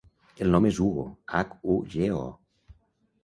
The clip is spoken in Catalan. El nom és Hugo: hac, u, ge, o.